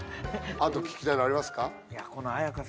あと聴きたいのありますか？